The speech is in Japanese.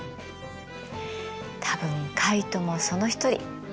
多分カイトもその一人。